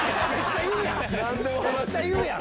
めっちゃ言うやん。